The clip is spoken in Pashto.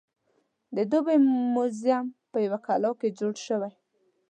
د دوبۍ موزیم په یوه کلا کې جوړ شوی.